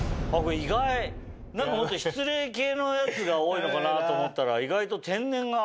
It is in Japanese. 意外もっと失礼系のやつが多いのかなと思ったら意外と天然が。